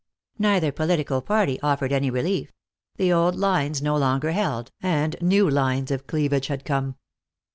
Neither political party offered any relief; the old lines no longer held, and new lines of cleavage had come.